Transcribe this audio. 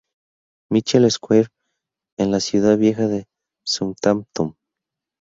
Michael's Square, en la Ciudad Vieja de Southampton.